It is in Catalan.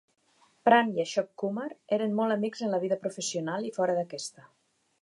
Pran i Ashok Kumar eren molt amics en la vida professional i fora d'aquesta.